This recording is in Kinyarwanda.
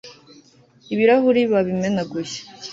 ibirahuri babimenaguye